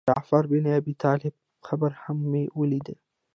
د جعفر بن ابي طالب قبر هم مې ولید.